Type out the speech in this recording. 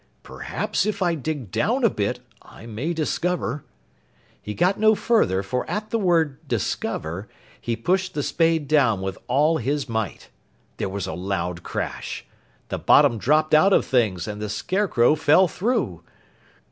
"Perhaps if I dig down a bit, I may discover " He got no further, for at the word "discover," he pushed the spade down with all his might. There was a loud crash. The bottom dropped out of things, and the Scarecrow fell through.